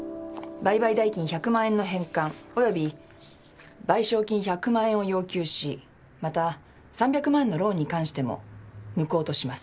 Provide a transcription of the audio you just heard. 売買代金１００万円の返還および賠償金１００万円を要求しまた３００万円のローンに関しても無効とします」